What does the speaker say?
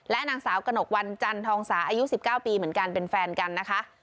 นางสาวกระหนกวันจันทองสาอายุ๑๙ปีเหมือนกันเป็นแฟนกันนะคะ